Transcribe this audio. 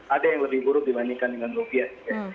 ada yang lebih buruk dibandingkan dengan rupiah